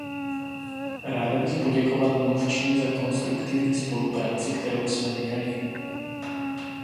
Ráda bych poděkovala mluvčím za konstruktivní spolupráci, kterou jsme měli.